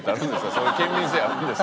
そういう県民性あるんですか？